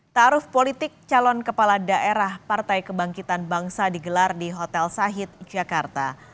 taruh politik calon kepala daerah partai kebangkitan bangsa digelar di hotel sahit jakarta